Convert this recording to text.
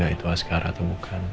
gak itu askara atau bukan